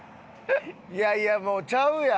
いやいやもうちゃうやん。